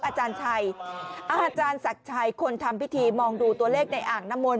อาจารย์ชัยอาจารย์ศักดิ์ชัยคนทำพิธีมองดูตัวเลขในอ่างน้ำมนต